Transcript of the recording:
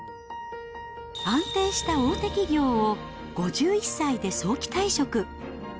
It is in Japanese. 安定した大手企業を５１歳で早期退職。